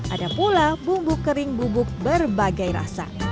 ada pula bumbu kering bubuk berbagai rasa